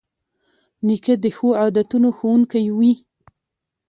نیکه د ښو عادتونو ښوونکی وي.